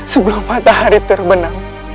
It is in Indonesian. sebelum matahari terbenam